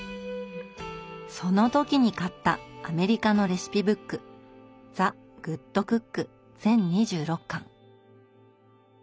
その時に買ったアメリカのレシピブック「ザグッドクック」全２６巻。